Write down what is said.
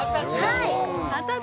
はい。